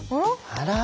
あら。